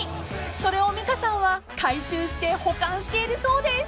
［それを美香さんは回収して保管しているそうです］